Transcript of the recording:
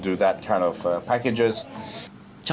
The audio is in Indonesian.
jadi kita akan melakukan jenis pemasaran